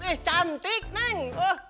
eh cantik neng